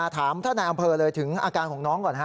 ถามท่านนายอำเภอเลยถึงอาการของน้องก่อน